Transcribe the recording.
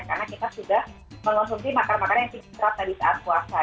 karena kita sudah mengonsumsi makanan makanan yang terserah tadi saat puasa